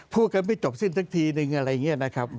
พูดกันไม่จบสิ้นสักทีนึงอะไรอย่างนี้นะครับ